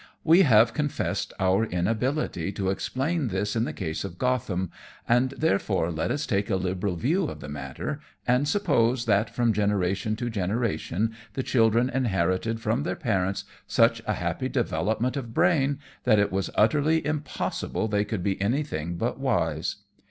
We have confessed our inability to explain this in the case of Gotham, and therefore let us take a liberal view of the matter, and suppose that from generation to generation the children inherited from their parents such a happy development of brain, that it was utterly impossible they could be anything but wise.